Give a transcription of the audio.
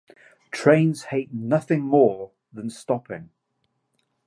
Trains hate nothing more than stopping.